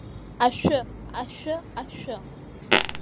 Ашәы, ашәы, ашәы!